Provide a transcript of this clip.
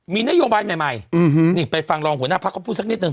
มีนโยบายใหม่ใหม่อืมฮือนี่ไปฟังรองหัวหน้าภักดิ์เขาพูดสักนิดหนึ่ง